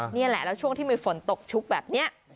นี่แหละแล้วช่วงที่มีฝนตกชุกแบบนี้